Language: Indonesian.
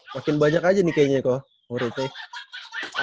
makin banyak aja nih kayaknya kok muridnya